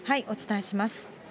お伝えします。